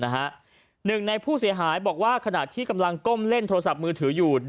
หนึ่งในผู้เสียหายบอกว่าขณะที่กำลังก้มเล่นโทรศัพท์มือถืออยู่